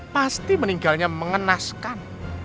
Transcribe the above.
pasti meninggalnya mengenaskan